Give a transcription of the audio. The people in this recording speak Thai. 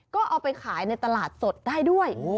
ก็เอาไปขายในตลาดสดได้ด้วย